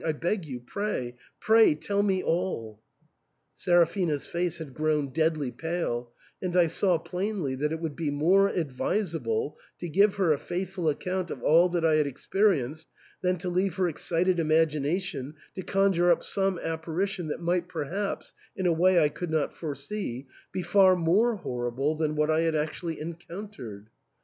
I beg you — pray, pray, tell me all." Seraphina's face had grown deadly pale ; and I saw plainly that it would be more advisable to give her a faithful account of all that I had experienced than to leave her excited imagination to conjure up some apparition that might perhaps, in a way I could not foresee, be far more horrible than what I had actually encountered.